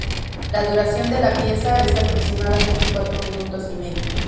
La duración de la pieza es de aproximadamente cuatro minutos y medio.